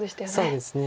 そうですね。